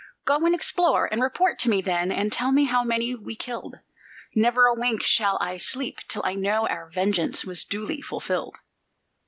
Go and explore, and report to me then, and tell me how many we killed. Never a wink shall I sleep till I know our vengeance was duly fulfilled."